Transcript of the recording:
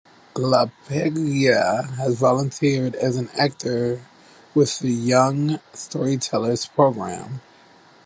LaPaglia has volunteered as an actor with the Young Storytellers Program.